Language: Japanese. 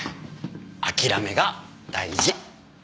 諦めが大事。